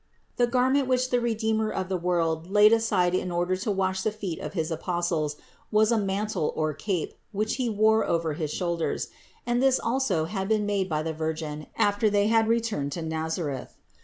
The garment which the Redeemer of the world laid aside in order to wash the feet of his Apostles, was a mantle or cape, which He wore over his shoulders ; and this also had been made by the Virgin after they had returned to Nazareth.